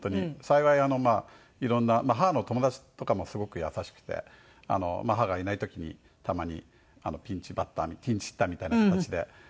幸い色んな母の友達とかもすごく優しくて母がいない時にたまにピンチヒッターみたいな形で。